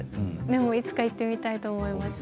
いつか行ってみたいと思います。